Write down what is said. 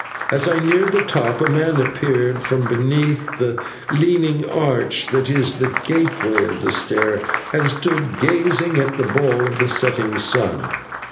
As I neared the top, a man appeared from beneath the leaning arch that is the gateway of the stair, and stood gazing at the ball of the setting sun.